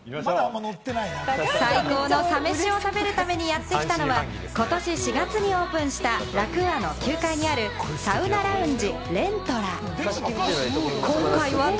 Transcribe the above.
最高のサ飯を食べるためにやってきたのが、ことし４月にオープンしたラクーアの９階にあるサウナラウンジ、レントラ。